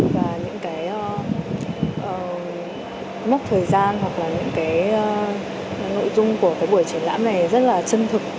và những cái mốc thời gian hoặc là những cái nội dung của cái buổi triển lãm này rất là chân thực